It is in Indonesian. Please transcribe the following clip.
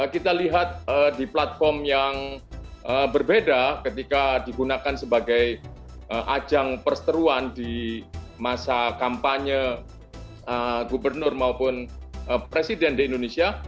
kita lihat di platform yang berbeda ketika digunakan sebagai ajang perseteruan di masa kampanye gubernur maupun presiden di indonesia